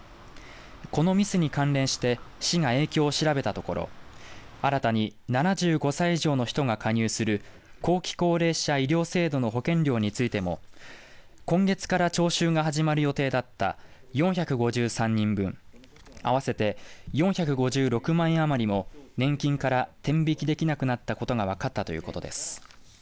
このミスに関連して市が影響を調べたところ新たに７５歳以上の人が加入する後期高齢者医療制度の保険料についても今月から徴収が始まる予定だった４５３人分合わせて４５６万円余りも年金から天引きできなくなったことが分かったということです。